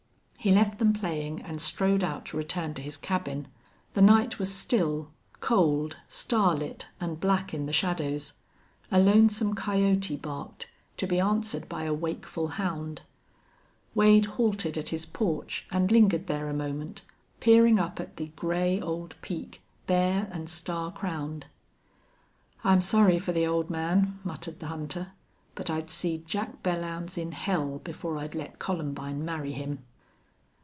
He left them playing and strode out to return to his cabin. The night was still, cold, starlit, and black in the shadows. A lonesome coyote barked, to be answered by a wakeful hound. Wade halted at his porch, and lingered there a moment, peering up at the gray old peak, bare and star crowned. "I'm sorry for the old man," muttered the hunter, "but I'd see Jack Belllounds in hell before I'd let Columbine marry him."